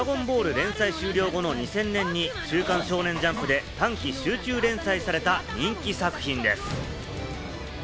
連載終了後の２０００年に『週刊少年ジャンプ』で短期集中連載された人気作品です。